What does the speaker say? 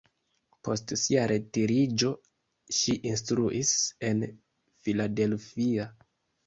Post sia retiriĝo ŝi instruis en Philadelphia.